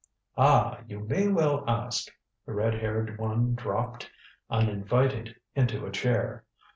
"Ah, you may well ask." The red haired one dropped, uninvited, into a chair.